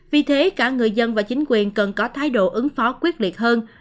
vì thế cả người dân và chính quyền cần có thái độ ứng phó quyết liệt hơn